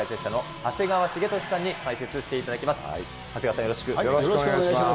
長谷川さん、よろしくお願いします。